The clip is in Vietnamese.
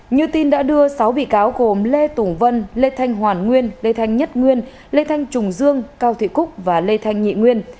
như tin đã đưa sáu bị cáo gồm lê tùng vân lê thanh hoàn nguyên lê thanh nhất nguyên lê thanh trùng dương cao thị cúc và lê thanh nhị nguyên